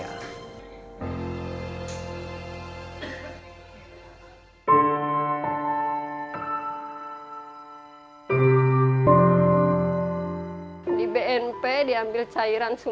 asep menjelaskan bahwa anak anak kanker itu terjadi dari penyakit kanker dan hemofilia